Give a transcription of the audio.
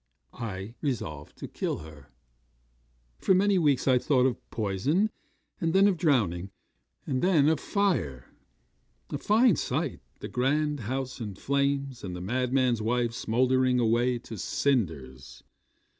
I resolved to kill her. 'For many weeks I thought of poison, and then of drowning, and then of fire. A fine sight, the grand house in flames, and the madman's wife smouldering away to cinders.